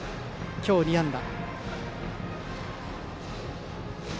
今日２安打。